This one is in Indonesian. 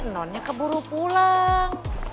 nanti keburu pulang